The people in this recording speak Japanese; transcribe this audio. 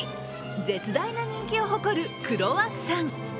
絶大な人気を誇るクロワッサン。